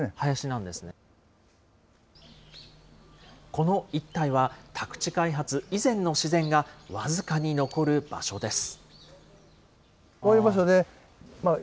この一帯は、宅地開発以前の自然が僅かに残る場所です。